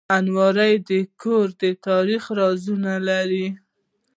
الماري د کور د تاریخ رازونه لري